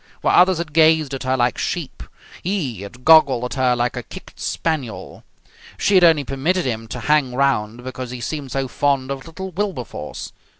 Where others had gazed at her like sheep he had goggled at her like a kicked spaniel. She had only permitted him to hang round because he seemed so fond of little Wilberforce.